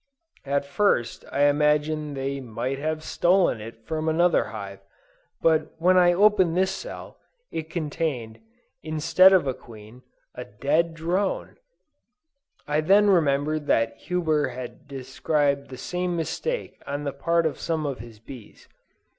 At first I imagined that they might have stolen it from another hive, but when I opened this cell, it contained, instead of a queen, a dead drone! I then remembered that Huber has described the same mistake on the part of some of his bees.